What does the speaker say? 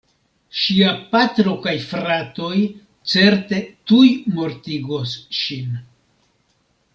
Ŝia patro kaj fratoj certe tuj mortigos ŝin.